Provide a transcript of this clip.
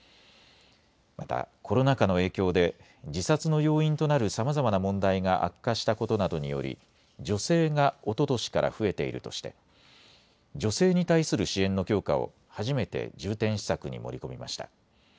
またコロナ禍の影響で自殺の要因となるさまざまな問題が悪化したことなどにより女性がおととしから増えているとして女性に対する支援の強化を初めて重点施策に盛り込みました。